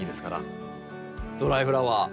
ドライフラワー。